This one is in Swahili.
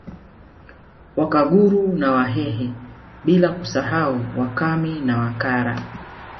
Wakaguru na Wakahe bila kusahau Wakami na Wakara